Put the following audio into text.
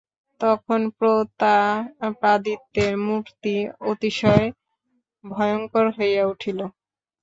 তখন প্রতাপাদিত্যের মুর্তি অতিশয় ভয়ঙ্কর হইয়া উঠিল।